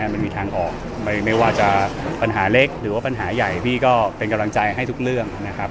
มันมีทางออกไม่ว่าจะปัญหาเล็กหรือว่าปัญหาใหญ่พี่ก็เป็นกำลังใจให้ทุกเรื่องนะครับ